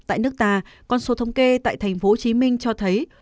tại nước ta con số thống kê tại tp hcm cho thấy